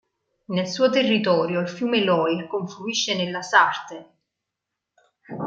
Nel suo territorio il fiume Loir confluisce nella Sarthe.